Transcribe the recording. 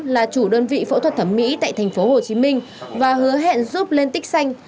là chủ đơn vị phẫu thuật thẩm mỹ tại thành phố hồ chí minh và hứa hẹn giúp lên tích xanh